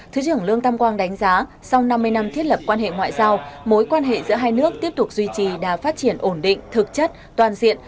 thứ trưởng lương tam quang đánh giá sau năm mươi năm thiết lập quan hệ ngoại giao mối quan hệ giữa hai nước tiếp tục duy trì đã phát triển ổn định thực chất toàn diện